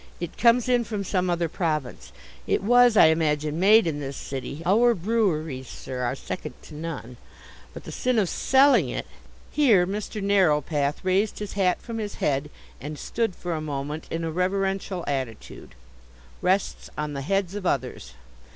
It comes in from some other province. It was, I imagine, made in this city (our breweries, sir, are second to none), but the sin of selling it" here Mr. Narrowpath raised his hat from his head and stood for a moment in a reverential attitude "rests on the heads of others."